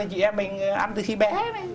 chị em mình ăn từ khi bé